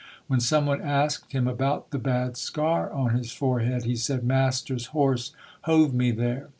When some one asked him about the bad scar on his forehead, he said, "Master's horse hove me there".